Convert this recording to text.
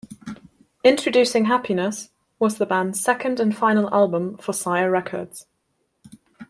"Introducing Happiness" was the band's second and final album for Sire Records.